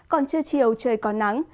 còn trưa chiều trời còn nắng